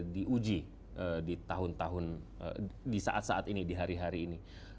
diuji di tahun tahun di saat saat ini di hari hari ini